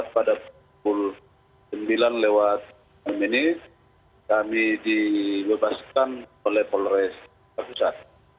pada pukul sembilan lewat lima menit kami dilepaskan oleh polres jakarta pusat